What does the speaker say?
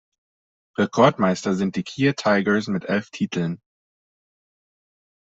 Rekordmeister sind die Kia Tigers mit elf Titeln.